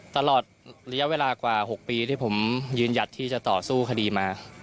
ตลอดระยะเวลากว่า๖ปีที่ผมยืนหยัดที่จะต่อสู้คดีมา